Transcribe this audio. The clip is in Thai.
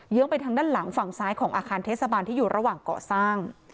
ไปทางด้านหลังฝั่งซ้ายของอาคารเทศบาลที่อยู่ระหว่างเกาะสร้าง